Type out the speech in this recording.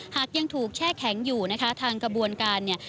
หากยังถูกแช่แข็งอยู่นะคะทางกระบวนการเนี่ย